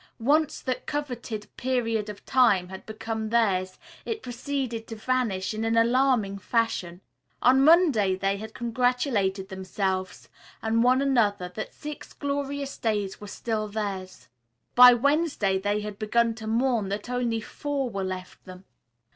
Once that coveted period of time had become theirs, it proceeded to vanish in an alarming fashion. On Monday they had congratulated themselves and one another that six glorious days were still theirs. By Wednesday they had begun to mourn that only four were left them.